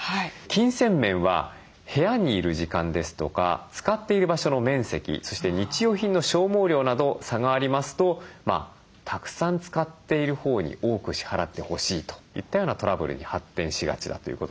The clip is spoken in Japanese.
金銭面は部屋にいる時間ですとか使っている場所の面積そして日用品の消耗料など差がありますとたくさん使っているほうに多く支払ってほしいといったようなトラブルに発展しがちだということです。